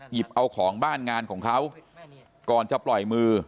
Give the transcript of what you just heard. หยิบเอาของบ้านงานของเขาก่อนจะปล่อยมือ